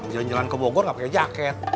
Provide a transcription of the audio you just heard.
jalan jalan ke bogor nggak pakai jaket